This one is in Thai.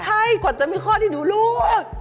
ใช่กว่าจะมีข้อที่หนูรู้